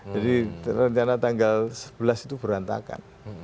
jadi rencana tanggal sebelas itu berantakan